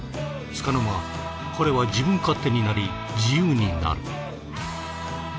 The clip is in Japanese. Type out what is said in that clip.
つかの間彼は自分勝手になり自由になる。